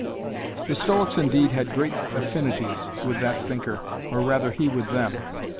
The Stoics indeed had great affinities with that thinker or rather he with them.